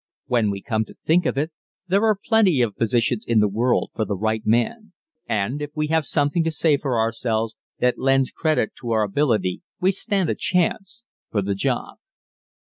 When we come to think of it, there are plenty of positions in the world for the right man, and if we have something to say for ourselves that lends credit to our ability we stand a chance for the job.